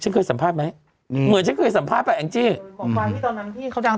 ฉันเคยสัมภาพไหมอืมเหมือนฉันเคยสัมภาพแหละแองจิอืมหมอปลายพี่ตอนนั้นที่เขาจัง